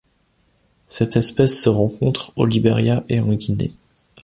Cette espèce se rencontre au Liberia et en Guinée.